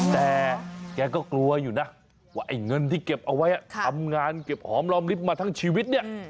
แต่แกก็กลัวอยู่นะว่าไอ้เงินที่เก็บเอาไว้ทำงานเก็บหอมรอมลิฟต์มาทั้งชีวิตเนี่ย